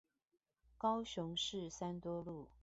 高雄市三多路